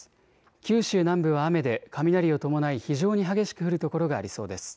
九州南部は雨で雷を伴い非常に激しく降る所がありそうです。